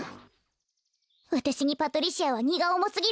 わたしにパトリシアはにがおもすぎるわ。